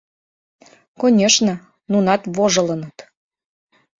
Конешне, нунат вожылыныт.